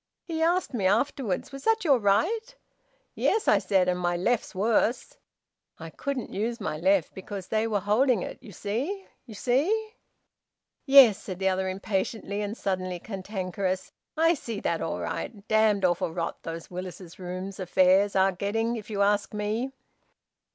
He asked me afterwards, `Was that your right?' `Yes,' I said, `and my left's worse!' I couldn't use my left because they were holding it. You see? You see?" "Yes," said the other impatiently, and suddenly cantankerous. "I see that all right! Damned awful rot those Willis's Rooms affairs are getting, if you ask me!"